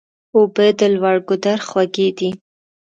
اوبه د لوړ ګودر خوږې دي.